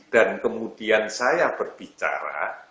dan kemudian saya berbicara